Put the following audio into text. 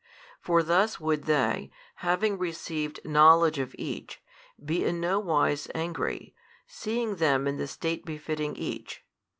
For thus would they, having received knowledge of each, be in no wise angry, seeing them in the state befitting each.